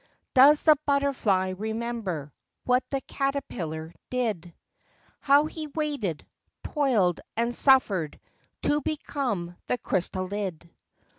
Does the butterfly remember What the caterpillar did ? How he waited, toiled, and suffered To become the chrysalid.